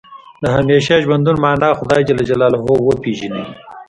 د همیشه ژوندون معنا خدای جل جلاله وپېژني.